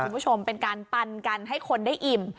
คุณผู้ชมเป็นการปันกันให้คนได้อิ่ม